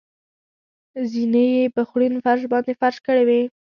زېنې یې په خوړین فرش باندې فرش کړې وې.